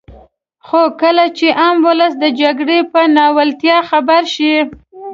خو کله چې عام ولس د جګړې په ناولتیا خبر شي.